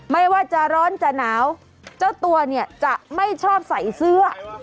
ไม่ว่าจะร้อนจะหนาวเจ้าตัวเนี่ยจะไม่ชอบใส่เสื้อ